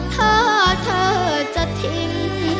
ถ้าเธอจะทิ้ง